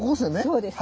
そうです。